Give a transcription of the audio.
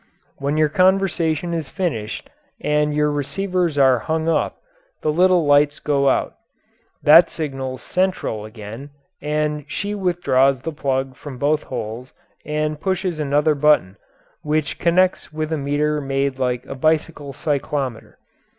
When your conversation is finished and your receivers are hung up the little lights go out. That signals "central" again, and she withdraws the plug from both holes and pushes another button, which connects with a meter made like a bicycle cyclometer.